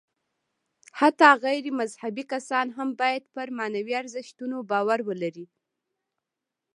حتی غیر مذهبي کسان هم باید پر معنوي ارزښتونو باور ولري.